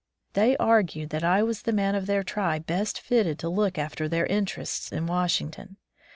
They argued that I was the man of their tribe best fitted to look after their interests at Washington.